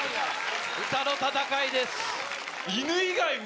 歌の戦いです。